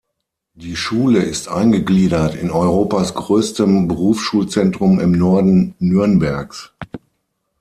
Die Schule ist eingegliedert in Europas größtem Berufsschulzentrum im Norden Nürnbergs.